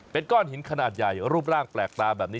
เป็นก้อนหินขนาดใหญ่รูปร่างแปลกตาแบบนี้